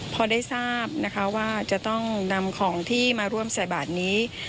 พอได้ทราบนะคะว่าจะต้องนำของที่มาร่วมใส่บาทนี้